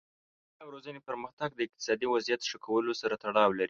د ښوونې او روزنې پرمختګ د اقتصادي وضعیت ښه کولو سره تړاو لري.